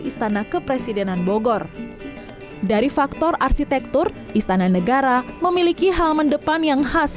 istana kepresidenan bogor dari faktor arsitektur istana negara memiliki halaman depan yang khas